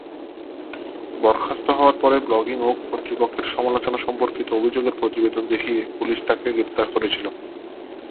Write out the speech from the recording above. বরখাস্ত হওয়ার পরে ব্লগিং ও কর্তৃপক্ষের সমালোচনা সম্পর্কিত অভিযোগের প্রতিবেদন দেখিয়ে পুলিশ তাঁকে গ্রেপ্তার করেছিল।